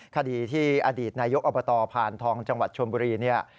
คดีที่อดีตนายกอบตพานทองจังหวัดชนบุรีเนี่ย